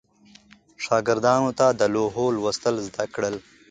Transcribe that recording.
شاګردانو ته د لوحو لوستل زده کړل.